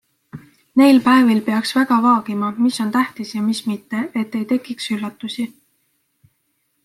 Neil päevil peaks väga vaagima, mis on tähtis ja mis mitte, et ei tekiks üllatusi.